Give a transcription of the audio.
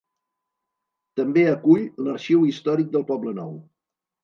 També acull l'Arxiu Històric del Poblenou.